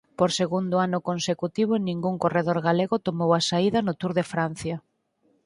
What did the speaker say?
Por segundo ano consecutivo ningún corredor galego tomou a saída no Tour de Francia.